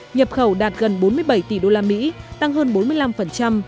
nhập khẩu đạt gần bốn mươi bảy tỷ usd tăng hơn bốn mươi năm